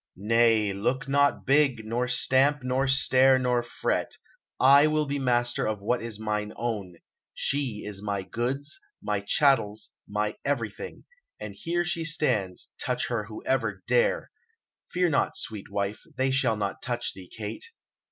Nay, look not big, nor stamp, nor stare, nor fret; I will be master of what is mine own. She is my goods, my chattels, my everything; and here she stands, touch her whoever dare! Fear not, sweet wife, they shall not touch thee, Kate!"